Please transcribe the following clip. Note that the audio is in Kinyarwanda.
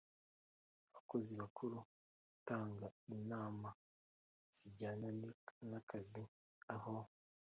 abakozi bakuru gutanga inama zijyana n akazi aho